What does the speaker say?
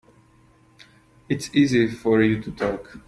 It's easy for you to talk.